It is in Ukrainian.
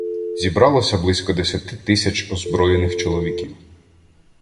Зібралося близько десяти тисяч озброєних чоловіків.